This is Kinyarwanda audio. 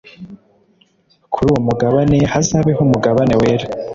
Kuri uwo mugabane hazabeho umugabane wera